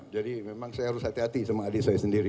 jadi memang saya harus hati hati sama adik saya sendiri